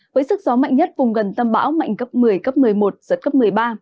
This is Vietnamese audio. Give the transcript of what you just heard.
với sức gió mạnh nhất vùng gần tâm bão mạnh cấp một mươi cấp một mươi một giật cấp một mươi ba